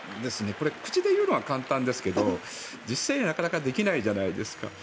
これ口で言うのは簡単ですけど実際にはなかなかできないじゃないですか。